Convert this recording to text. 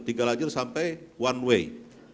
tiga lajur sampai one way